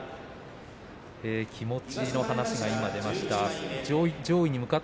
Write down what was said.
気持ちの話が今出ました。